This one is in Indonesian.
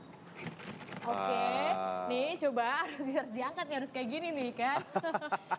oke nih coba harus diangkat nih harus kayak gini nih kan